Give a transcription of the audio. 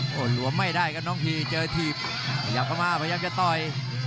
โหหลวมไม่ได้กับน้องพี่เจอทีบพยายามเข้ามาพยายามจะต่อย